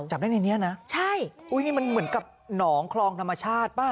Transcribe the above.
จับได้ในนี้นะใช่อุ้ยนี่มันเหมือนกับหนองคลองธรรมชาติป่ะ